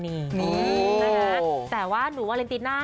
แบบนี้แต่ว่าหนูวาเลนตินน่ะ